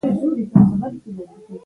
د سبزیجاتو تازه والي د صحي خوړو بنسټ دی.